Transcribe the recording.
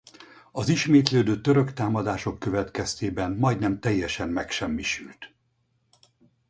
Az ismétlődő török támadások következtében majdnem teljesen megsemmisült.